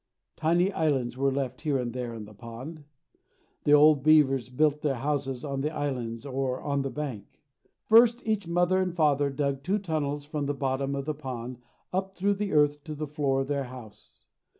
Tiny islands were left here and there in the pond. The old beavers built their houses on the islands or on the bank. First each mother and father dug two tunnels from the bottom of the pond up through the earth to the floor of their house.